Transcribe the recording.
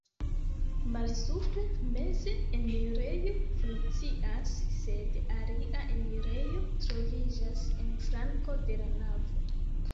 Malsupre meze enirejo funkcias, sed alia enirejo troviĝas en flanko de la navo.